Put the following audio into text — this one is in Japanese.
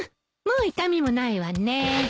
もう痛みもないわねえ。